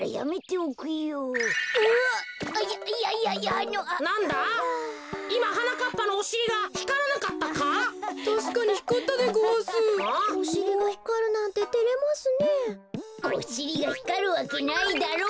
おしりがひかるわけないだろう。